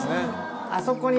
あそこに。